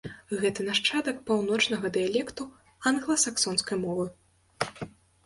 Гэта нашчадак паўночнага дыялекту англа-саксонскай мовы.